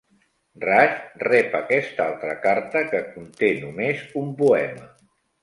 Raj rep aquesta altra carta que conté només un poema.